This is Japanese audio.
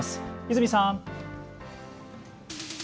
泉さん。